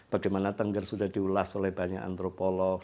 bagaimana tengger sudah diulas oleh banyak antropolog